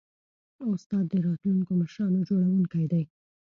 استاد د راتلونکو مشرانو جوړوونکی دی.